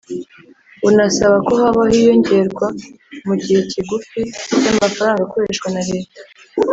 bunasaba ko habaho iyongerwa mu gihe kigufi ry'amafaranga akoreshwa na leta